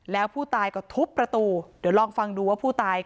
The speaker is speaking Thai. แล้วผู้ตายก็ทุบประตูเดี๋ยวลองฟังดูว่าผู้ตาย